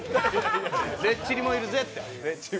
レッチリもいるぜって。